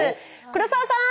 黒沢さん！